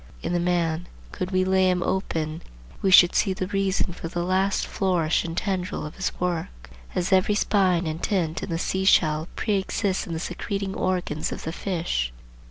In the man, could we lay him open, we should see the reason for the last flourish and tendril of his work; as every spine and tint in the sea shell preexists in the secreting organs of the fish.